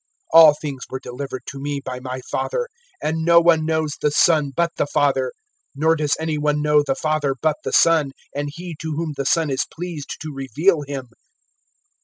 (27)All things were delivered to me by my Father; and no one knows the Son but the Father; nor does any one know the Father but the Son, and he to whom the Son is pleased to reveal him.